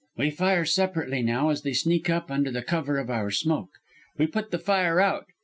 "We fire separately now as they sneak up under cover of our smoke. "We put the fire out.